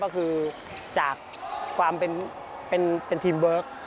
ก็คือจากความเป็นทีมเวิร์ค